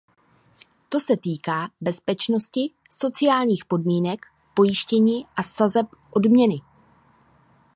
To se týká bezpečnosti, sociálních podmínek, pojištění a sazeb odměny.